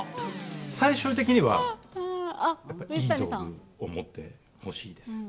最終的には、やっぱりいい道具を持ってほしいです。